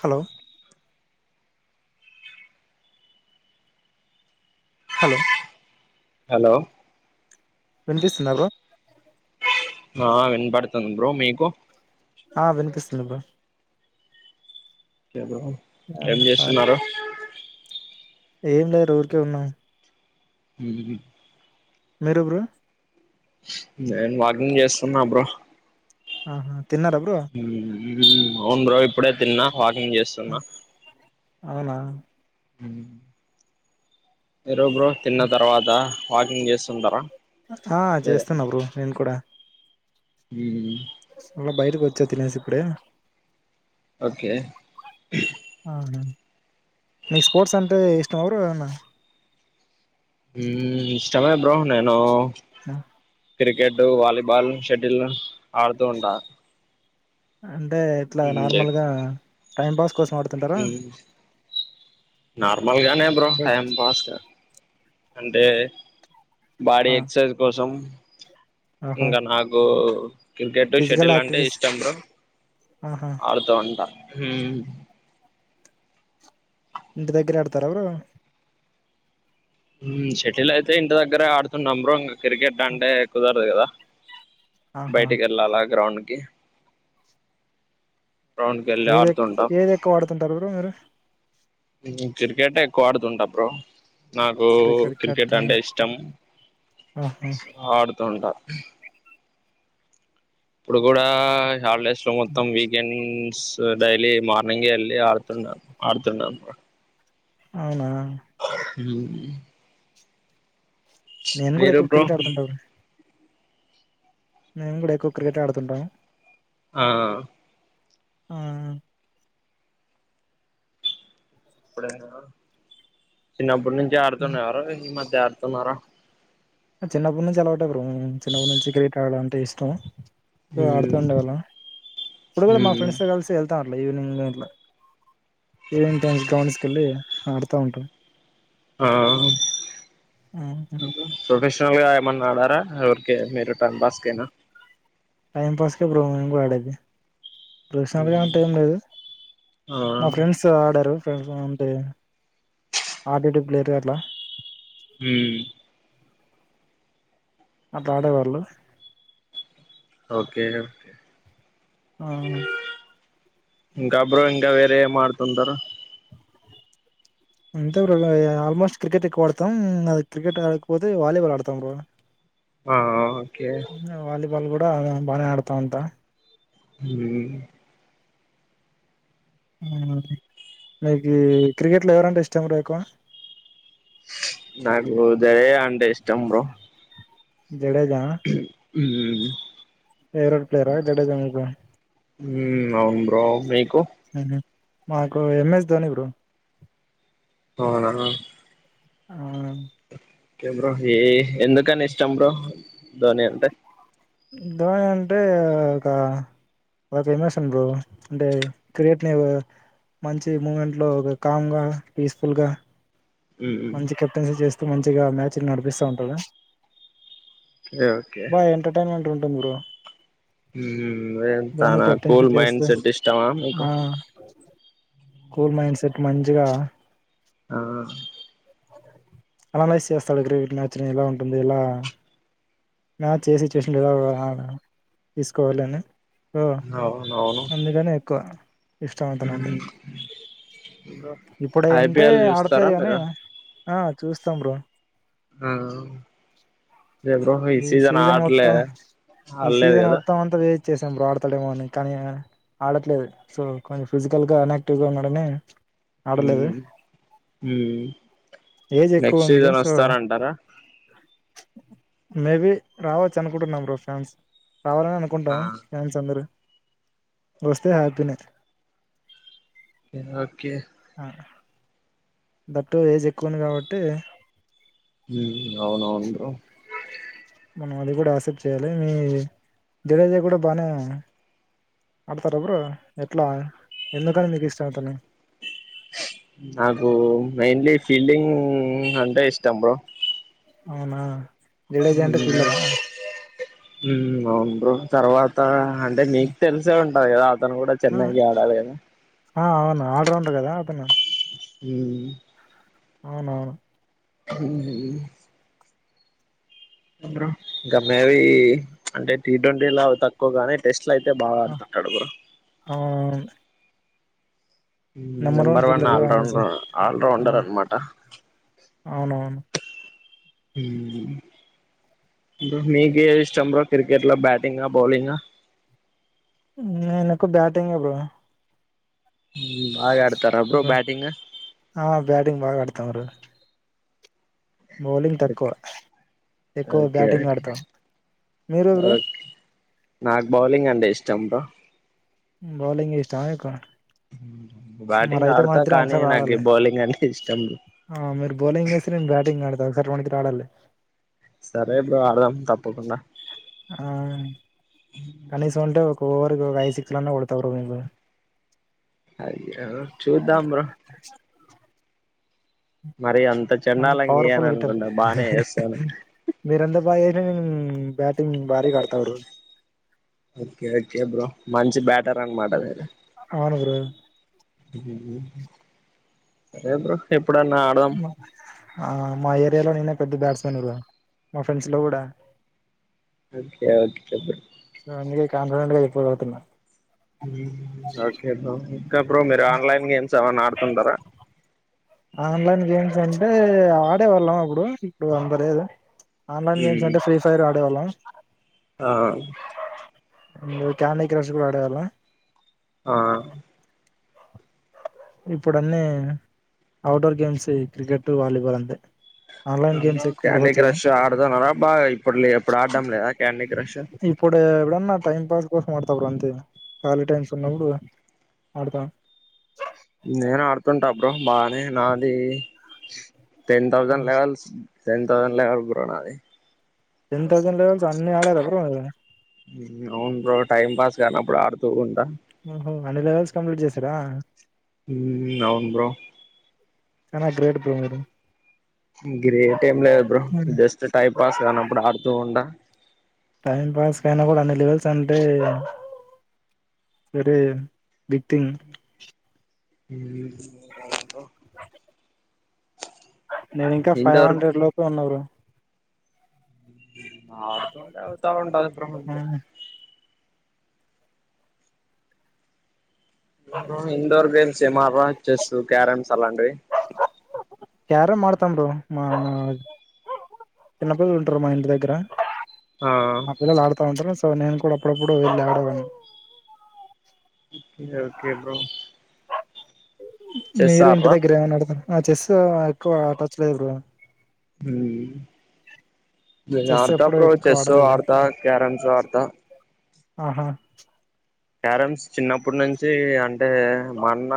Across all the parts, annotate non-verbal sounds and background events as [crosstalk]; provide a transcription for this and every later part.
Hello hello hello వినిపిస్తుందా bro ఆ వినబడుతుంది బ్రో మీకు ఆ వినుపిస్తుంది బ్రో ఆ ఏం ఆ! చేస్తున్నారు ఏం లేరు ఊరికే ఉన్నాం హ్మ్మ్ మీరు బ్రో నేను వాకింగ్ చేస్తున్నా బ్రో ఆహా తిన్నారా బ్రో హ్మ్మ్ అవును బ్రో ఇప్పుడే తిన్నా వాకింగ్ ఆ! చేస్తున్నా అవునా హ్మ్మ్ మీరు బ్రో తిన్న తర్వాత వాకింగ్ చేస్తుంటారా ఆ చేస్తున్నా బ్రో నేను కూడా హ్మ్మ్ అలా బయటకి వచ్చా తినేసి ఇప్పుడే ఓకే నీకు స్పోర్ట్స్ అంటే ఇష్టం ఆ బ్రో ఏమన్నా హ్మ్మ్ ఇష్టమే బ్రో నేను చ క్రికెట్ వాలీబాల్ షెటిల్ ఆడుతూ ఉంటా అంటే ఎట్లా నార్మల్గా టైమ్పాస్ మ్మ్ నార్మల్గానే బ్రో చె టైం పాస్ అంటే బాడీ ఆ ఎక్సర్సైజ్ కోసం ఆహా ఇంక నాకు క్రికెటు ఫిజికల్ షెటిల్ అంటే యాక్టివిటీస్ ఇష్టం బ్రో ఆహా ఆడుతూ ఉంటా హ్మ్మ్ ఇంటి దగ్గర ఆడతార బ్రో హ్మ్మ్ షటిల్ అయితే ఇంటి దగ్గరే ఆడుతున్నాం బ్రో ఇంగా క్రికెట్ ఆ! అంటే కుదరదు కదా ఆహా బయటికి వెల్లాలా గ్రౌండ్ కి గ్రౌండ్ కి వెళ్ళి ఏది ఎక్క ఆడుతుంటాం ఏది ఎక్కవాడుతుంటారు బ్రో మీరు ఉమ్ క్రికెట్ ఏ ఎక్కువడుతుంట బ్రో నాకు క్రికెట్ అంటే ఇష్టం ఆహా ఆడుత్ తుంట ఇప్పుడు కూడా హాలిడేస్ స్లో మొత్తం వీకెండ్ స్ డైలీ మార్నింగ్ వెళ్ళి ఆడుతున్నా ఆడుతున్నాన్ బ్రో అవునా అ ఉమ్ నేను కూడా ఎక్కువ బ్రో క్రికెట్ ఆడుతుంటా బ్రో మేము కూడా ఎక్కువ క్రికెట్ ఆడుతుంటాము ఆ ఆ తిన్నాం ఇప్పటి నుంచి ఉమ్. ఆడుతున్నార ఈ మధ్ చడుతున్నారా చిన్నప్పుటి నుంచి అలావేటె బ్రో చిన్నప్పటి నుంచి క్రికెట్ ఆడడం అంటే ఇష్టం సో ఆడుతూ ఉండేవాళ్ళం ఇప్పుడు కూడా మా ఫ్రెండ్స్ తోకలిసి వెళ్తా ఉం ఇట్లా ఈవినింగ్ట్ ఈవినింగ్ టైమ్స్ గ్రౌండ్స్ కెల్లి ఆడుతా ఉంటాం ఆ ఆ, ప్రొఫెషనల్గా ఎప్ మన్నాడరా ఊరికే మీరు టైం పాస్కెన టైం పాస్ కె బ్రో మేము కూడా ఆడేది ప్రొఫెషనల్గా అంటె ఏం లేదు ఆ మా ఫ్రెండ్స్ ఆడరు ఫ్రెండ్స్ తో ఉంటే ఆడిటి ప్లేయర్ అట్లా హుమ్ అట్లాడేవాళ్ళు ఓకేే ఆ ఇంకా బ్రో ఇంకా వేరే ఏమి ఆడుతుంటారు. అంతే బ్రో ఏ ఆల్మోస్ట్ క్రికెట్ ఎక్కువ ఆడతాం అది క్రికెట్ ఆడకపోతే వాలీబాల్ ఆడతాం బ్రో ఆ ఓకే బాల్ కూడా బానే ఆడతా ఉంటాం హుమ్ మీకు క్రికెట్లో ఎవరంటే ఇష్టం బ్రో ఎక్కువ చంబ్రో జడేజా నా ఉమ్ జడేజా మీకు హోమ్ అవును బ్రో మీకు ఉహు మాకు ఎంఎస్ ధోని బ్రో అవున ఆ ఓకే బ్రో ఏ ఎందుకని ఇష్టం బ్రో ధోని అంటే ధోని అంటే ఒక ఎమోషన్ బ్రో అంటే క్రియేట్ని మంచి మూమెంట్ లో ఒక కామ్గా పీస్ఫుల్గా మ్మ్ మంచి కెప్టెన్సీ చేస్త ఎ మంచిగా మ్యాచ్లు నడిపిస్తా ఉంటాడు ఓకే బాగ ఎంటర్టైన్మెంట్ ఉ బ్రో ఉమ్ ధోని అంతనా కెప్టెన్సీ కూల్ మైండ్ చేస్తే సెట్ ఇష్టమా మీకు ఆ కూల్ మైండ్ సెట్ మంచిగా ఆ అనాలైజ చేస్తాడు క్రికెట్ మ్యాచ్ ఇలా ఉంటుంది ఇలా మ్యాచ్ ఏ సిచ్యువేషన్ లేదా తీసుకోవాలి అని ఓ అవునవును అందుకని ఎక్కువ ఇష్టం అవుతున్నాంటే మ్మ్ బ్రో ఇప్పుడు ఏంటే ఐపీఎల్ చూస్తారా ఆడట్లేదు కానీ మీరు ఆ చూస్తాం బ్రో ఆ అదే బ్రో ఈ సీజన్ ఆడలే మొత్తం ఈ ఆడలేదు సీజన్ కదా మొత్తం అంతా వ చూశాం బ్రో ఆడతాడేమో అని కానీ ఆడట్లేదు సో కొంచెం ఫిజికల్ గా అనాక్టివ్ గా ఉన్నాడని ఆడలేదు హమ్ హమ్ ఏజ్ నెక్స్ట్ ఎక్కువ ఉంది సీజన్ సో వస్తారంటారా మేబి రావచ్చు అనుకుంటరు నం బ్రో ఫ్యాన్స్ రావాలని అనుకుంటాం ఆ ఫ్యాన్స్ అందరుూ వస్తే హ్యాపి నే ఓకే బట్టు ఏజ్ ఎక్కువంది కాబట్టి హమ్ అవునవును బ్రో మనం అది కూడా యాక్సెప్ట్ చేయాలి మీ జడేజా కూడా బాగా ఆడతార బ్రో ఎట్లా ఎందుకని మీకు ఇష్టము అతను నాకు మైన్లీ ఫీల్డింగ్ అంటే ఇష్టం బ్రో అవునా జడేజా అంత ఫిల్డర్ అవును బ్రో తర్వాత అంటే నీకు తెలుసా ఉంటడి అదే అ అతను కూడా కూడా ఆ చెన్నైకి ఆడాలి ఆ అవును ఆల్రౌండర్ కదా ఆతున్నాను హ అవునవును హ అ ఇంమేవి అంటే టీ ట్వంటీ లా తక్కువగానే టెస్ట్ అట్ల అయితే బాగా ఆ, ఆడుతుంటడు బ్ర అవునవును నెంబర్ నంబర్ వన్ ఆ ఫీల్డర్ రాౌ ఆల రాౌండర్ అన్నమాట అవునవును మీకే ఇష్టం బ క్రికెట్ లో బ్యాటింగ్ బౌలింగ్ కు బ్యాటింగ్ప్పుడు ఆడ [inaudible] ఆ బ్యాటింగ్ బాగా ఆడుత తారే బౌలింగ్ తక్కువ ఎక్కువ ఓకే బ్యాటింగ్ ఓకే ఆడతాం మీరెవరు ఓకే నాకు బౌలింగ్ అంటే ఇష్టం భ బౌలింగ్ ఇష్టా నీకు బ్యాటింగ్ మరైతె మా ఆడతా ఇద్దరం కానీ ఒకసారి నాకు ఆడాలి బౌలింగ్ అంటే ఇష్టం ఆ మీరు బౌలింగ్ వేసి నేను బ్యాటింగ్ ఆడతా ర మణ ఆడాల [inaudible] సరే బ్రో ఆడదాం తప్పకుండా ఆన్ కనీసం అంటే ఓక్ ఫోర్ కు ఒక ఐదు సిక్స్ లన్న కొడత బ్రో మీకు అయ్యో చుద్దాం బ్రో మరి అంత మంచి చెండాలంగా పవర్ఫుల్ గిట్టర్ వేయననుకున్న బానే వేస్తాను వైరింగ్ భ ఓకే ఓకే బ్రో మంచి బ్యాటర్ అన్నమాట మీరు అవును బ్రో సరే బ్రో ఎప్పుడన్నా ఆడదాం ఆ మాయత్ మీలో నేనే పెద్ద బాట్స్మన్ బ్రో మా ఫ్రెండ్స్ లో కూడ ఓకే ఓకే బ్రో సో అందుకే కాన్ఫిడెంట్ గా చెప్పి పోతున్నా ఓకే బ్రో ఇంకా బ్రో మీరు ఆన్లైన్ గేమ్స్ ఎమన్నా ఆడుతుంటరా ఆన్లైన్ గేమ్స్ అంటే ఆడేవాళ్ళం అప్పుడు ఇప్పుడు అంత లేేదు ఆన్‌లైన్ గేమ్స్ మ్మ్. అంటే ఫ్రీ ఫైర్ ఆడేవాళ్లం ఆ ఇ క్యాండీ క్రష్ కూడా ఆడేవాళ్లం ఆ ఇప్పుడు అన్నీ outdoor games cricket volleyball అంతే ఆన్లైన్ గేమ్స్ ఎక్కువ క్యాండీ ప్రిఫర్ చేయం క్రష్ ఆడుతున్నరా బాగా ఇప్పుడు ఇప్పుడు ఆడడం లేదా క్యాండీ క్రష్ ఆడత బ్రో అంతే కాలి టైమ్స్ ఉన్నప్పుడు ఆడత నేను ఆడుతుంటా బ్రో బానే నాది ten thousand levels ten thousand level bro నాది టెన్ థౌసండ్ లెవెల్స్ అన్ని ఆడారా బ్రో మీరు అవును బ్రో టైం పాస్ కానప్పుడు ఆడుతూ ఉంటా ఓహో అంట లెవెల్స్ కంప్లీట్ చేశారా ఉ అవును బ్ర కనా గ్రేట్ బ గ్రేట్ ఏం లేదద్రు జస్ట్ టైమ్ పాస్ కానప్పు ఆడు తోడా టైం పాస్ కయినా కూడా అన్ని లెవెల్స్ అంటే వెరీ బిగ్ థింగ్ నేను ఇంకా ఫైవ్ ఇంతవరకు హండ్రెడ్ లోప ఉన్న ఆ అడుతోండ అవుతాను ఉంట అది ప్రహంచ ఇండోర్ గేమ్స్ ఏమ చెస్ క్యారమ్స్ అలాంటివి క్యార మాడతాం్ర మా మా చిన్నప్పజలు ఉంటారు మా ఇంటి దగ్గర ఆ పిల్లలు ఆడుతా ఉంటారు సో నేను కూడా అప్పుడప్పుడు వెళ్ళి ఆడవాను ఓకే ఓకే బ్రో చెస్ మీరు ఇంటి ఆడరా దగ్గర ఏమన్నా అడతాను ఆ చెస్ ఎక్కువ టచ్ లేదు ఇప్పుడు చెస్ ఆడతా ఎప్పుడు ఎక్కువ చెస్స ఆడలేదు ఆడతా క్యారమ్స్ ఆడతా ఆహా క్యారమ్స్ చిన్నప్పటి నుంచి అంటే మా అన్న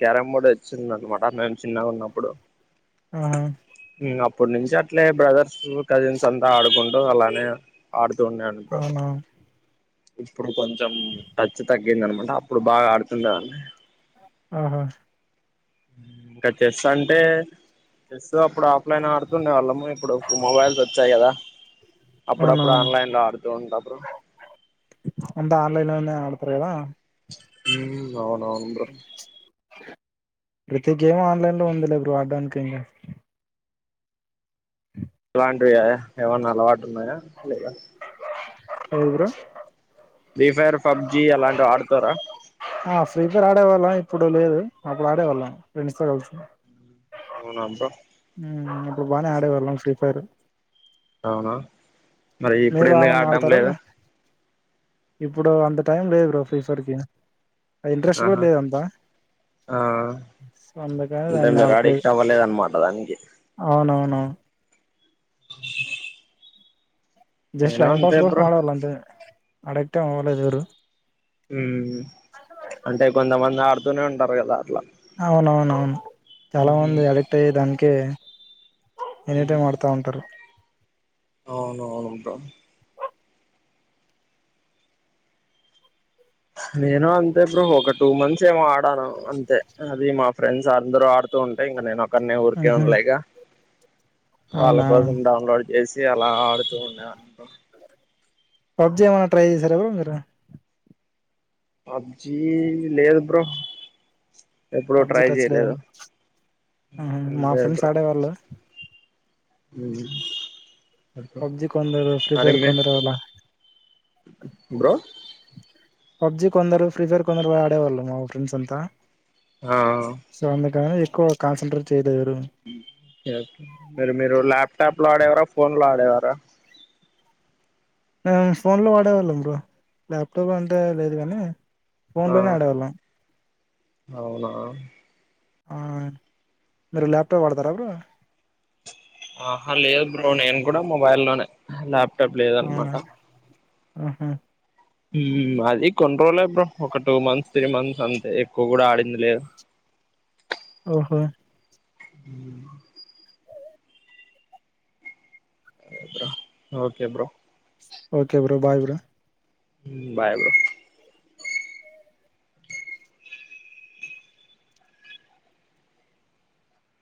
క్యారమ్ కూడా వచ్చింద అనమాట మేము చిన్నగా ఉన్నప్పుడు ఆ అప్పటి నుంచి అట్లే బ్రదర్స్ కజిన్స్ అంతా ఆడుకుంటూ అలానే ఆడు దన్న అనుభ అవునా ఇప్పుడు కొంచెం టచ్ తగ్గింది అనమాట అప్పుడు బాగా ఆడుతుంది దాన్ని ఆఓహ ఇంక చెస్ అంటే చెస్సు అప్పుడు ఆలైన్ ఆడుతుండే వాళ్ళము ఇప్పుడు మొబైల్స్ వచ్చాయి కదా అప్పుడప్పుడు అవునవును ఆన్లైన్లో ఆడుతుూ ఉంటాము అంత ఆన్లైన్ లోనే ఆడతరు కదా ఉ అవునవును బ్రో ప్రతి గేమ్ ఆన్లైన్ లో ఉంది లే బ్రో అడ్డానికి ఇంకా ఇలాంటివియా ఏమైన్నా అలవాటు ఉన్నాయా లేదా ఏవి బ్రో ఫ్రీ ఫైర్ పబ్జి అలాంటివి ఆడతారా ద్గర ఆడేవాళ్ళం ఇప్పుడు లేదు అప్పుడు ఆడేవాళ్ళం ఫ్రెండ్స్ తో కల్సి అవున బ్రో అప్పుడు బానే ఆడే వాళ్ళం ఫ్రీ ఫైర్ అవున మరి ఇప్పుడు మీరు ఎందుకు ఏమన్నా ఆడ్డం ఆడతారా లేదు బ్రో ఇప్పుడు అంత టైం లేదు బ్రో ఫ్రీ ఫైర్ కి ఇంట్రెస్ట్ కూడా ఆహా లేదు అంతా ఆ సో అందుకని అంటే దాన్ని మీరు ఆడట్లేదు అడిక్ట్ అవ్వలేదు అన్నమాట దానికి అవునవును జస్ట్ నేను టైం పాస్ అంతే కోసం బ్రో ఆడే వాళ్ళం అంతే అడిక్ట్ ఎం అవ్వలేద మీరు మ్మ్ అంటే కొంతమం ఆడుతూనే ఉంటారు కద అట్ల అవునువును అవును చాలా మంది అడిక్ట్ అయ్యే దానికె ఎనీ టైమ్ ఆడుతా ఉంటరు అవును అవును బ్రో నేను అంతే బ్రో ఒక టూ మంత్స్ ఏమో ఆడాను అంతే అది మా ఫ్రెండ్స్ అందరు ఆడుతూ ఉంటే ఇంక నేను క ఊరికే మ్హూ ఉండలేక వాళ్ళ అవునా కోసం డౌన్లోడ్ చేసి అలా ఆడుతూ ఉండే వాడిని బ్రో పబ్జి ఏమైనా ట్రై చేశారా బ్రో మీరు పబ్జీ లేదు బ్రో ఎప్పుడు పబ్జి ట్రై టచ్ లేద చేయలేదు మా ఫ్రెండ్స్ ఆడేవాళ్ళు మ్మ్ పబ్జీ కొందరు ఫ్రీ ఫైర్ కొందారు బ్రో పబ్జి కొందరు ఫ్రీ ఫైర్ కొందరు ఆడేవాళ్ళు మా ఫ్రెండ్స్ అంతా ఆ సంద కా ఎక్కువ కాన్సంట్రేట్ చే మీరు మీరు ల్యాప్టాప్ లో ఆడేవారా ఫోన్ లో ఆడేవారా మేమ్ ఫోన్ లో వాడేవాళ్ళం బ్రో ల్యాప్టాప్ అంటే లేదు గానీ ఫోన్ ఆ లోనే ఆడేవాళ్ళం అవునా ఆ మీరు ల్యాప్టాప్ వాడతారా బ్రో ఆహా లేదు బ్రో నేను కూడా మొబైల్ లోనే లా టాప్ లేద అనమాట హ్మ్ హు హ్మ్ అది కొన్ని రోజులే బ్రో ఒక టూ మంత్స్ త్రీ మంత్స్ అంతే ఎక్కువ కూడా ఆడింది లేదు ఓహు హ్మ్ bro okay bro okay bro bye bro హ్మ్ బాయ్ బ్రో